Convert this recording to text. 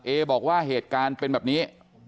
เอบอกว่าเหตุการณ์เป็นแบบนี้